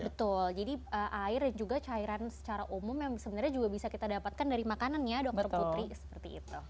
betul jadi air dan juga cairan secara umum yang sebenarnya juga bisa kita dapatkan dari makanan ya dokter putri seperti itu